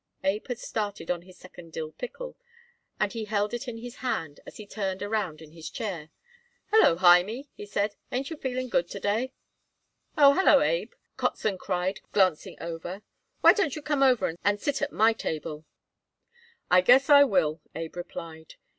Abe had started on his second dill pickle, and he held it in his hand as he turned around in his chair. "Hallo, Hymie," he said; "ain't you feeling good to day?" "Oh, hallo, Abe," Kotzen cried, glancing over; "why don't you come over and sit at my table?" "I guess I will," Abe replied.